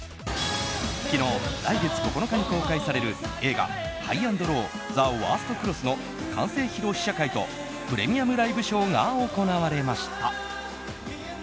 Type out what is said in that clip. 昨日、来月９日に公開される映画「ＨｉＧＨ＆ＬＯＷＴＨＥＷＯＲＳＴＸ」の完成披露試写会とプレミアムライブショーが行われました。